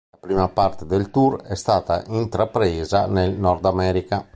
La prima parte del tour è stata intrapresa nel Nord America.